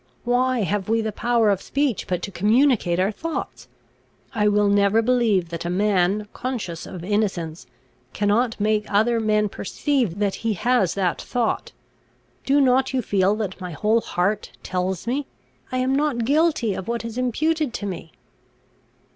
Why have we the power of speech, but to communicate our thoughts? I will never believe that a man, conscious of innocence, cannot make other men perceive that he has that thought. Do not you feel that my whole heart tells me. I am not guilty of what is imputed to me?